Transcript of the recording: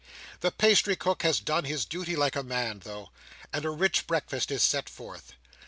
The pastry cook has done his duty like a man, though, and a rich breakfast is set forth.